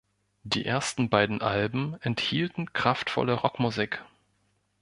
Die ersten beiden Alben enthielten kraftvolle Rockmusik.